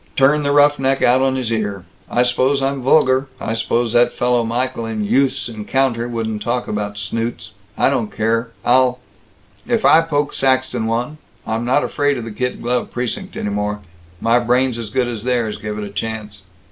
Turn the roughneck out on his ear. I s'pose I'm vulgar. I s'pose that fellow Michael in Youth's Encounter wouldn't talk about snoots. I don't care, I'll If I poke Saxton one I'm not afraid of the kid glove precinct any more. My brain's as good as theirs, give it a chance.